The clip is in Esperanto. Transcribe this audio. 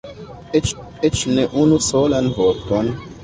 Eĉ ne unu solan vorton!